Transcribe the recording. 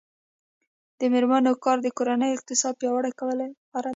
د میرمنو کار د کورنۍ اقتصاد پیاوړی کولو لاره ده.